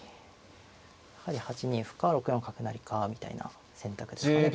やはり８二歩か６四角成かみたいな選択ですかね